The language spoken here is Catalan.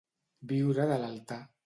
Viure de l'altar.